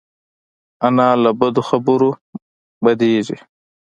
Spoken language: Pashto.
انا له بدو خبرو بدېږي